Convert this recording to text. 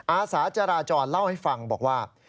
อาสาจราจรเล่าให้ฟังบอกว่า